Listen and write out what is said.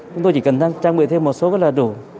chúng tôi chỉ cần trang bị thêm một số là đủ